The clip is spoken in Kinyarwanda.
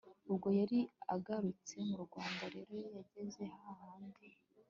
ubwo yari agarutse mu Rwanda rero yageze hahandi